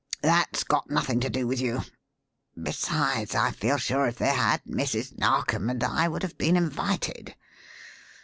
That's got nothing to do with you. Besides, I feel sure that if they had, Mrs. Narkom and I would have been invited.